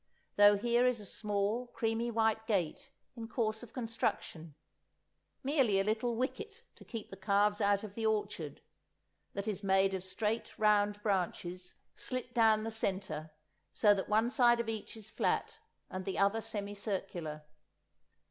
Though here is a small creamy white gate in course of construction—merely a little wicket to keep the calves out of the orchard—that is made of straight, round branches, slit down the centre, so that one side of each is flat and the other semicircular.